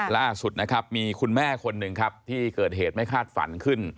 ล่าสุดนะครับมีคุณแม่คนหนึ่งครับที่เกิดเหตุไม่คาดฝันขึ้น